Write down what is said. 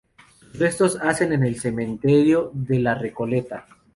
Sus restos hacen en el Cementerio de la Recoleta.